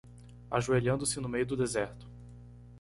Ajoelhando-se no meio do deserto